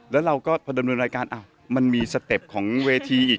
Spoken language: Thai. แล้วเราก็พอดำเนินรายการมันมีสเต็ปของเวทีอีก